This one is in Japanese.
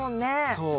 そう。